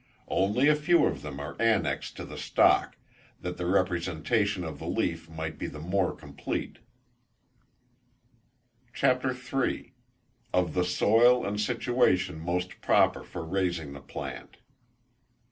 Only a few of them are annexed to the stalk, that the representation of the leaf might be the more compleat. CHAPTER III. _Of the Soil and Situation most proper for raising the Plant.